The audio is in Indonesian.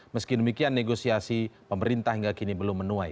meski demikian negosiasi pemerintah hingga kini belum menuai